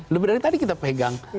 lebih dari tadi kita pegang